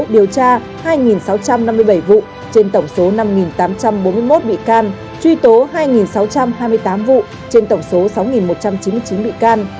điều tra hai sáu trăm năm mươi bảy vụ trên tổng số năm tám trăm bốn mươi một bị can truy tố hai sáu trăm hai mươi tám vụ trên tổng số sáu một trăm chín mươi chín bị can